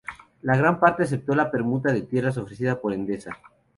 La gran parte aceptó la permuta de tierras ofrecida por Endesa.